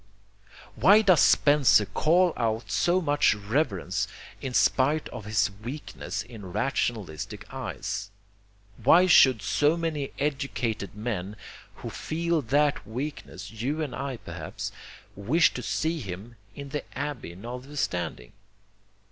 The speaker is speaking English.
Why does Spencer call out so much reverence in spite of his weakness in rationalistic eyes? Why should so many educated men who feel that weakness, you and I perhaps, wish to see him in the Abbey notwithstanding?